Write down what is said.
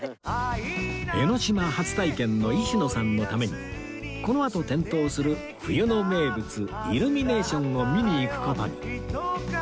江の島初体験の石野さんのためにこのあと点灯する冬の名物イルミネーションを見に行く事に